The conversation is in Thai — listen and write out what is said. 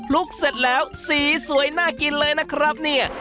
ลุกเสร็จแล้วสีสวยน่ากินเลยนะครับเนี่ย